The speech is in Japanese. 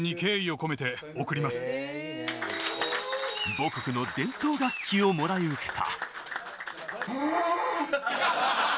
母国の伝統楽器をもらい受けた。